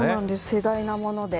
世代なもので。